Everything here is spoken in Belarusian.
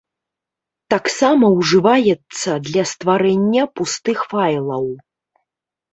Таксама ўжываецца для стварэння пустых файлаў.